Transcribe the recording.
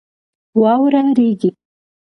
واوره رېږي.